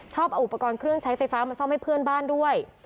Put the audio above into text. เอาอุปกรณ์เครื่องใช้ไฟฟ้ามาซ่อมให้เพื่อนบ้านด้วย